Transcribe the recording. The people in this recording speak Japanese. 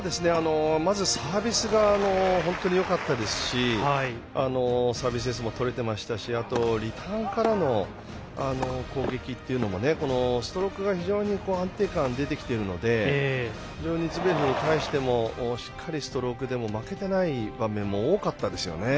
まず、サービスが本当によかったですしサービスエースも取れていましたしあと、リターンからの攻撃というのもストロークが非常に安定感が出てきているので非常にズベレフに対してもしっかりストロークでも負けていない場面も多かったですね。